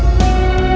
nanti aku menunggu